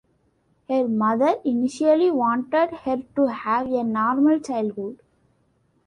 Her mother initially wanted her to have a normal childhood.